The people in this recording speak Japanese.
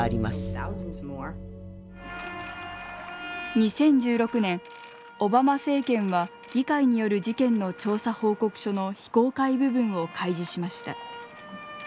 ２０１６年オバマ政権は議会による事件の調査報告書の非公開部分を開示しました。